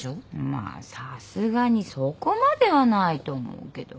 まあさすがにそこまではないと思うけど。